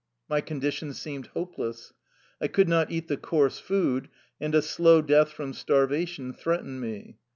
My condi tion seemed hopeless. I could not eat the coarse food, and a slow death from starvation threat ened me.